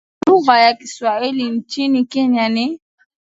kueneza lugha ya Kiswahili nchini Kenya ni